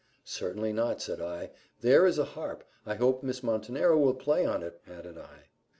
"Certainly not," said I. "There is a harp; I hope Miss Montenero will play on it," added I.